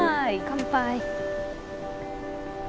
乾杯。